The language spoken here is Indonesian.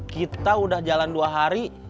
kita udah jalan dua hari